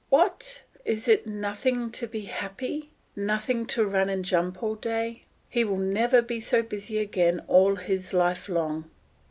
What! is it nothing to be happy, nothing to run and jump all day? He will never be so busy again all his life long.